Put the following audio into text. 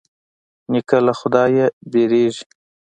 نیکه له خدايه وېرېږي.